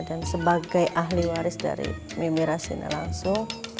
dan sebagai ahli waris dari mimi rasina langsung